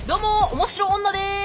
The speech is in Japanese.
面白女です！」